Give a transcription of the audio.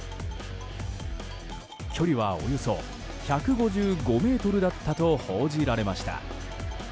距離は、およそ１５５ｍだったと報じられました。